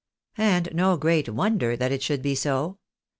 And no great wonder that it should be so.